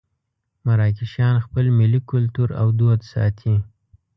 مراکشیان خپل ملي کولتور او دود ساتي.